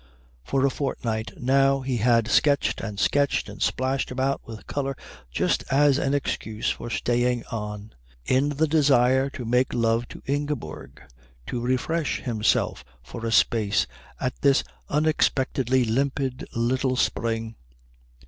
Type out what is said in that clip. For a fortnight now he had sketched and sketched and splashed about with colour just as an excuse for staying on, in the desire to make love to Ingeborg, to refresh himself for a space at this unexpectedly limpid little spring.